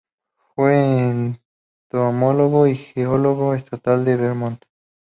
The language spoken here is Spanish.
Fue entomólogo y geólogo estatal de Vermont.